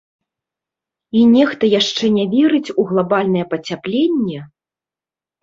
І нехта яшчэ не верыць у глабальнае пацяпленне?